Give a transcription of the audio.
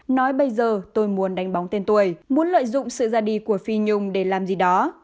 nói bây giờ tôi muốn đánh bóng tên tuổi muốn lợi dụng sự ra đi của phi nhung để làm gì đó